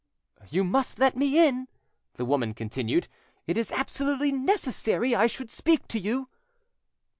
"You must let me in," the woman continued; "it is absolutely necessary I should speak to you."